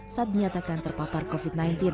saat dinyatakan terpapar covid sembilan belas